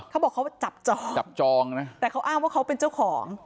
เขาบอกเขาจับจองจับจองนะแต่เขาอ้างว่าเขาเป็นเจ้าของ